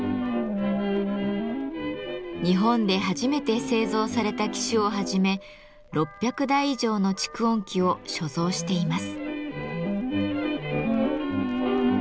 日本で初めて製造された機種をはじめ６００台以上の蓄音機を所蔵しています。